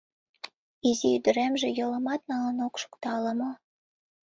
Изи ӱдыремже йолымат налын ок шукто ала-мо...